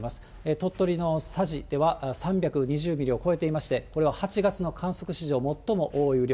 鳥取の佐治では３２０ミリを超えていまして、これは８月の観測史上最も多い雨量。